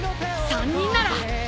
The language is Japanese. ３人なら。